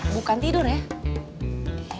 bukan tidur ya